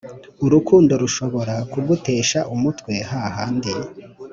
Urukundo rushobora kugutesha umutwe hahandi